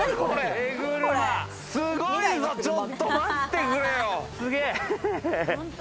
すごいぞ、ちょっと待ってくれよ。